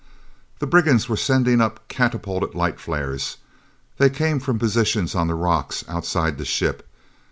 The brigands were sending up catapulted light flares. They came from positions on the rocks outside the ship.